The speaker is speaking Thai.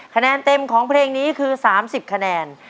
คะแนนเต็มของเพลงนี้คือ๓๐คะแนน